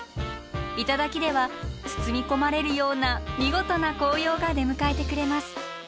頂では包み込まれるような見事な紅葉が出迎えてくれます。